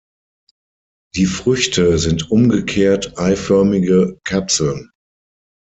Die Früchte sind umgekehrt eiförmige Kapseln.